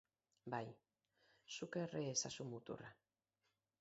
Bai, zuk erre ezazu muturra.